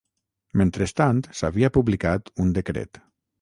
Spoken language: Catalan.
Mentrestant, s'havia publicat un decret